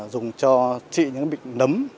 dùng cho trị những bệnh nấm